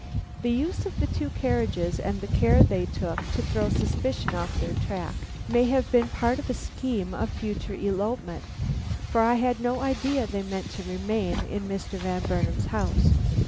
The use of the two carriages and the care they took to throw suspicion off their track, may have been part of a scheme of future elopement, for I had no idea they meant to remain in Mr. Van Burnam's house.